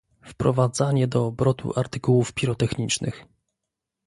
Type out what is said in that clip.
Wprowadzanie do obrotu artykułów pirotechnicznych